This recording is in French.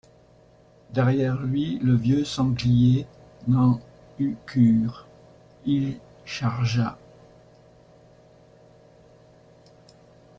Derrière lui, le vieux sanglier n’en eut cure, il chargea.